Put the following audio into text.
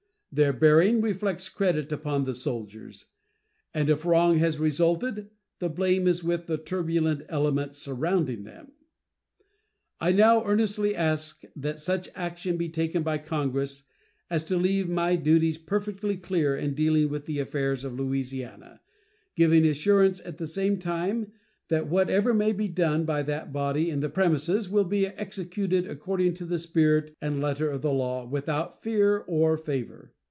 Their bearing reflects credit upon the soldiers, and if wrong has resulted the blame is with the turbulent element surrounding them. I now earnestly ask that such action be taken by Congress as to leave my duties perfectly clear in dealing with the affairs of Louisiana, giving assurance at the same time that whatever may be done by that body in the premises will be executed according to the spirit and letter of the law, without fear or favor.